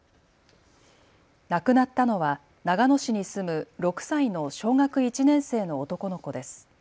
亡くなったのは長野市に住む６歳の小学１年生の男の子です。